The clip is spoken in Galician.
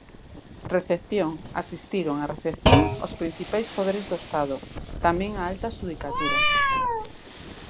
Recepción Asistiron á recepción os principais poderes do Estado, tamén a alta xudicatura.